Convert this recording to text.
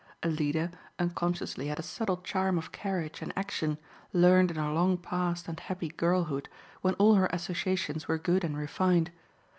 Alida unconsciously had a subtle charm of carriage and action, learned in her long past and happy girlhood when all her associations were good and refined.